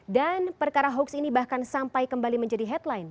dan perkara hoax ini bahkan sampai kembali menjadi headline